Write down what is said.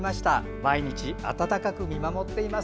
毎日、温かく見守っています。